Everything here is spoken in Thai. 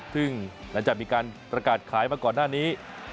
ซึ่งจะมีการระกาศขายมาก่อนหน้านี้